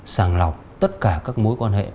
sàng lọc tất cả các mối quan hệ